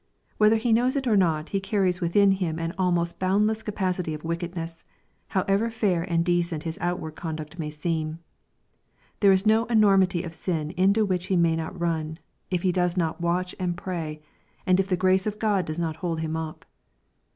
Whether he knows it or not, he carries within him an almost boundless capacity of wickedness, however fair and decent his outward conduct may seem. There is no enormity of sin into which he may not run, if he does not watch and pray, and if the grace of God does not hold him up.